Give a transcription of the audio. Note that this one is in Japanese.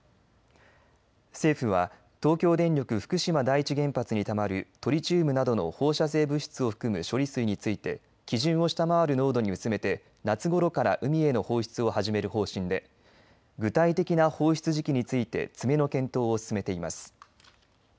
政府は東京電力福島第一原発にたまるトリチウムなどの放射性物質を含む処理水について基準を下回る濃度に薄めて夏ごろから海への放出を始める方針で具体的な放出時期について詰めの検討を進めています。